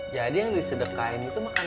jadi yang disedekain itu makasih pak